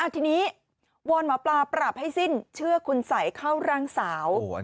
ทีนี้วอนหมอปลาปรับให้สิ้นเชื่อคุณสัยเข้าร่างสาว